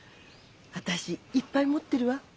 私いっぱい持ってるわ。